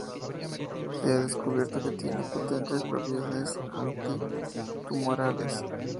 Se ha descubierto que tiene potentes propiedades antitumorales.